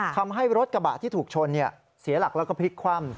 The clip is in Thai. ทำให้รถกระบะที่ถูกชนเสียหลักแล้วก็พลิกคว่ำ